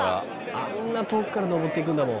あんな遠くからのぼっていくんだもん。